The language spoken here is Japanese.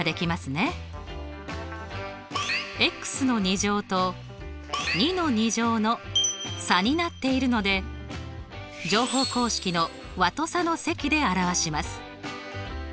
の２乗と２の２乗の差になっているので乗法公式の和と差の積で表します。